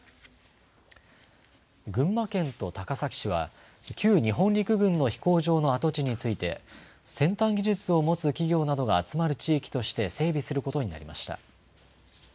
群馬県と高崎市は、旧日本陸軍の飛行場の跡地について、先端技術を持つ企業などが集まる地域として整備することになりました。